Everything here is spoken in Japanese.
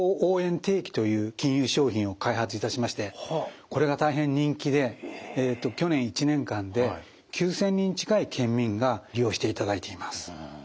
定期という金融商品を開発いたしましてこれが大変人気で去年１年間で９，０００人近い県民が利用していただいています。